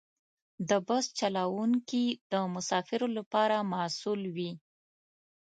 د بس چلوونکي د مسافرو لپاره مسؤل وي.